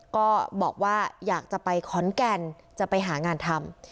ก็บอกว่าอยากจะไปขอนแก่นจะไปหางานทำ